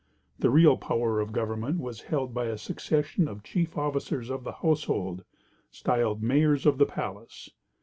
The real power of the government was held by a succession of chief officers of the household, styled "Mayors of the Palace."